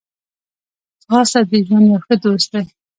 ځغاسته د ژوند یو ښه دوست دی